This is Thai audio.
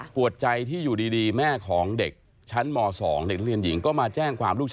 ปวดใจที่อยู่ดีแม่ของเด็กชั้นม๒